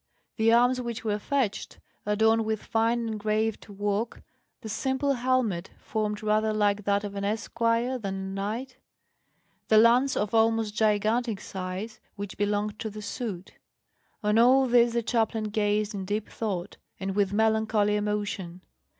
The arms which were fetched, adorned with fine engraved work, the simple helmet, formed rather like that of an esquire than a knight, the lance of almost gigantic size, which belonged to the suit on all these the chaplain gazed in deep thought and with melancholy emotion.